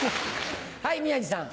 はい宮治さん。